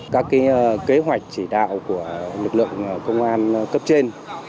các kế hoạch chỉ đạo của lực lượng công an cấp trên